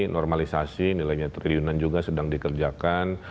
normalisasi nilainya triliunan juga sedang dikerjakan